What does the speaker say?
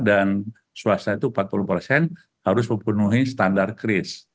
dan swasta itu empat puluh harus memenuhi standar kris